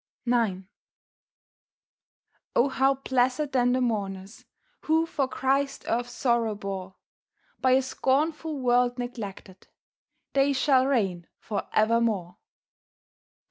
IX O how blessèd then the mourners, Who for Christ earth's sorrow bore, By a scornful world neglected! They shall reign for evermore.